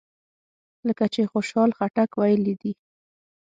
لکه چې خوشحال خټک ویلي دي.